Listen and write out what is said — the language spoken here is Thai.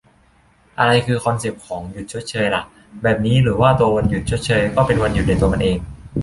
อะไรคือคอนเซปต์ของ "หยุดชดเชย" ล่ะ แบบนี้ หรือว่าตัววันหยุดชดเชย ก็เป็นวันหยุดในตัวมันเอง ?